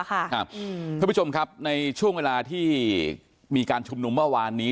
ท่านผู้ชมครับในช่วงเวลาที่มีการชุมนุมเมื่อวานนี้